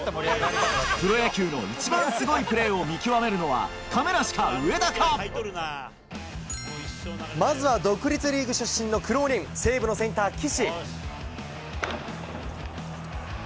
プロ野球の一番すごいプレーを見まずは独立リーグ出身の苦労人、西武のセンター、岸。